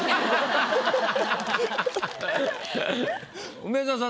梅沢さん